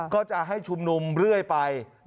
ก็จะให้ชุมนุมเรื่อยไป